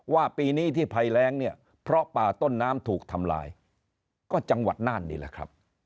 ปีนี้ที่ภัยแรงเนี่ยเพราะป่าต้นน้ำถูกทำลายก็จังหวัดน่านนี่แหละครับ